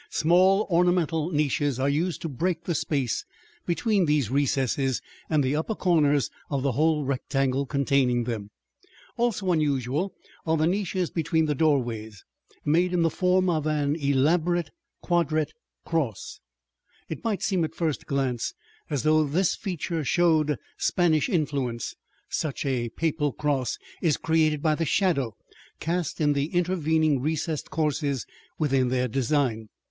Small ornamental niches are used to break the space between these recesses and the upper corners of the whole rectangle containing them. Also unusual are the niches between the doorways, made in the form of an elaborate quadrate cross. It might seem at first glance as though this feature showed Spanish influence, since a Papal cross is created by the shadow cast in the intervening recessed courses within their design.